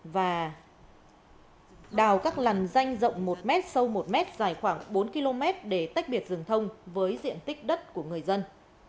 và đào các làn danh rộng một m sâu một m dài khoảng bốn km để tách biệt rừng thông với diện tích đất của người dân